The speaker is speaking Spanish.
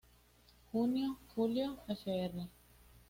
Junio-julio, fr.